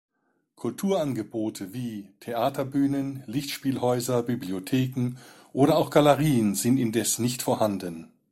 Kulturangebote wie Theaterbühnen, Lichtspielhäuser, Bibliotheken oder auch Galerien sind indes nicht vorhanden.